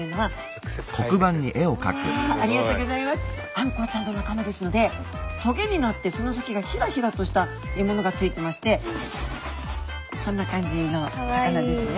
アンコウちゃんの仲間ですのでトゲになってその先がひらひらとしたものがついてましてこんな感じの魚ですね。